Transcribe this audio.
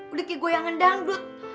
udah kayak goyang ngendangdut